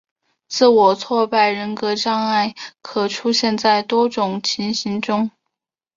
自我挫败人格障碍可出现在多种情形中。